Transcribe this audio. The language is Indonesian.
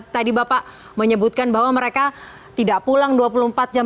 tadi bapak menyebutkan bahwa mereka tidak pulang dua puluh empat jam